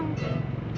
kami di lantai